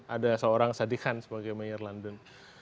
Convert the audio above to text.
ada seorang sadikan sebagai mayor london